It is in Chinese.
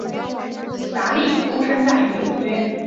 达利出生在纽约。